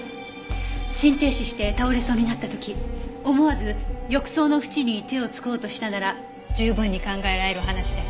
心停止して倒れそうになった時思わず浴槽の縁に手をつこうとしたなら十分に考えられる話です。